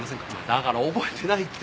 だから覚えてないって。